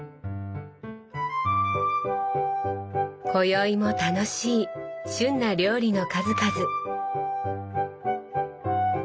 今宵も楽しい旬な料理の数々。